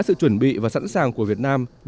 sự chuẩn bị và sẵn sàng của việt nam